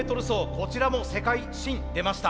こちらも世界新出ました。